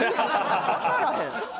分からへん。